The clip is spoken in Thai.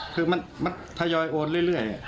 คือมันทยอยโอนเรื่อย